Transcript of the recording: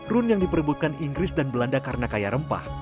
run yang diperebutkan inggris dan belanda karena kaya rempah